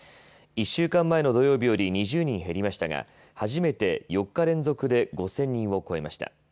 １週間前の土曜日より２０人減りましたが初めて４日連続で５０００人を超えました。